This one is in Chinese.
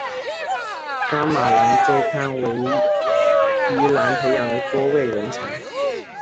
噶玛兰周刊为宜兰培养了多位人才。